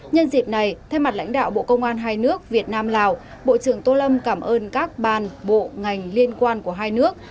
nhân dịp này thay mặt lãnh đạo bộ công an hai nước việt nam lào bộ trưởng tô lâm cảm ơn các bàn bộ ngành liên quan của hai nước